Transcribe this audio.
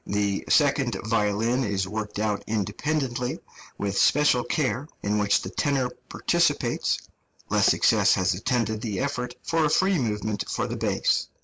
The second violin is worked out independently, with special care, in which the tenor participates; less success has attended the effort for a free movement for the bass.